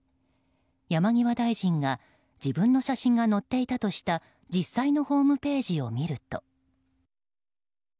山際大臣が自分の写真が載っていたとした実際のホームページを見ると。